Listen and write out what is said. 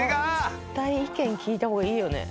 絶対意見聞いた方がいいよね。